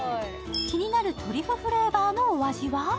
気になるトリュフフレーバーのお味は？